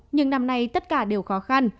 nhưng năm nay tất cả đều khó khăn